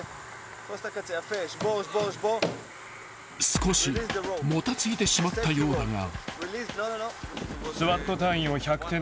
［少しもたついてしまったようだが］